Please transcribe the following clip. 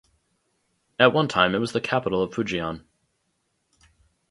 At one time, it was the capital of Fujian.